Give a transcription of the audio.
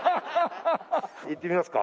いってみますか。